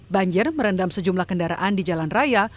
banjir merendam sejumlah kendaraan di jalan raya